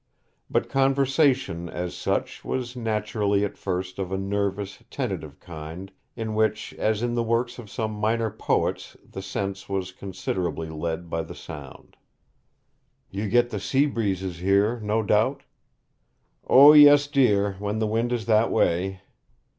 But conversation, as such, was naturally at first of a nervous, tentative kind, in which, as in the works of some minor poets, the sense was considerably led by the sound. 'You get the sea breezes here, no doubt?' 'O yes, dear; when the wind is that way.'